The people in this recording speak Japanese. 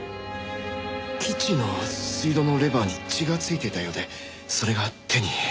キッチンの水道のレバーに血がついていたようでそれが手に。